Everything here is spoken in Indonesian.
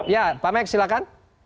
ya pak max silahkan